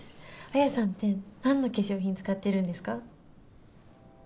彩さんってなんの化粧品使ってるんですか？